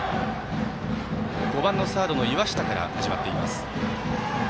５番のサードの岩下から始まっています。